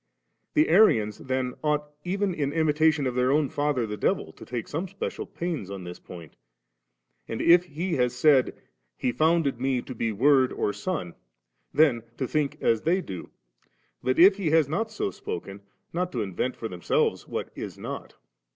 The Arians then ought, even in imitation of their own father the devil, to take some spedal pains'' on this point; and if He has said, * He founded me to be Word or Son/ then to think as they do ; but if He has not so spoken, not to invent for themselves what is not 74.